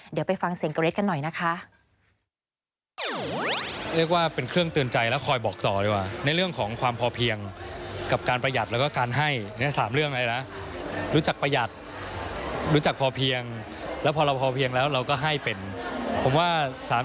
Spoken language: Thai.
เดี๋ยวไปฟังเสียงเกรทกันหน่อยนะคะ